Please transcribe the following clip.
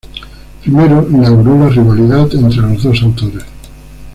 Primero, inauguró la rivalidad entre los dos autores.